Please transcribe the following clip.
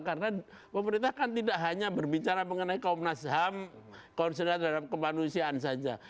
karena pemerintah kan tidak hanya berbicara mengenai kaum nasyam konservasi terhadap kemanusiaan saja